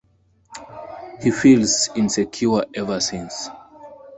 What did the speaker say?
He feels insecure ever since.